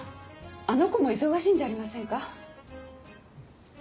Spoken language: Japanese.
あの子も忙しいんじゃありませんか？